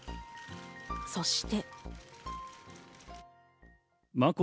そして。